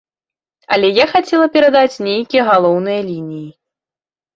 Але я хацела перадаць нейкія галоўныя лініі.